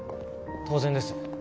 当然です。